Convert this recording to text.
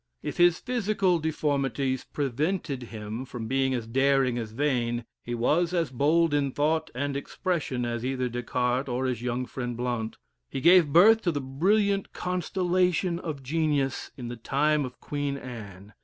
If his physical deformities prevented him from being as daring as Vane, he was as bold in thought and expression as either Descartes, or his young friend Blount. He gave birth to the brilliant constellation of genius in the time of Queen Anne.